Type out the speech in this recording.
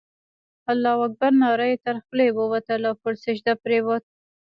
الله اکبر ناره یې تر خولې ووتله او پر سجده پرېوت.